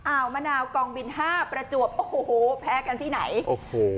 มะนาวกองบินห้าประจวบโอ้โหแพ้กันที่ไหนโอ้โห